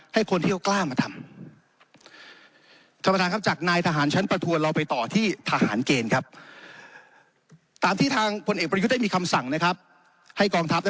ให้คนที่เขากล้ามาทำ